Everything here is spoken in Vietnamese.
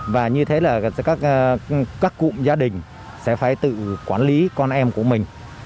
và như thế là các cụm gia đình sẽ phải tự quản lý con em của mình